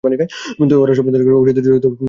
ওরা সবজান্তা, ওষুধের জোরে ওরা সব করতে পারে।